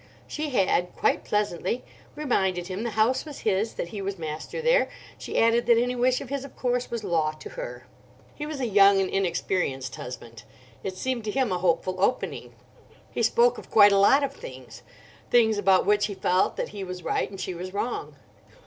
She had—quite pleasantly—reminded him the house was his, that he was master there. She added that any wish of his of course was law to her. He was a young and inexperienced husband; it seemed to him a hopeful opening. He spoke of quite a lot of things—things about which he felt that he was right and she was wrong.